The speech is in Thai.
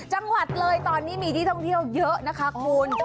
จังหวัดเลยตอนนี้มีที่ท่องเที่ยวเยอะนะคะคุณ